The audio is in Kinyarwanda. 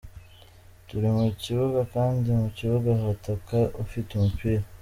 Turi mu kibuga kandi mu kibuga bataka ufite umupira.